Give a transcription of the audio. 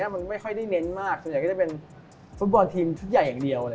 มันไม่ค่อยได้เน้นมากส่วนใหญ่ก็จะเป็นฟุตบอลทีมชุดใหญ่อย่างเดียว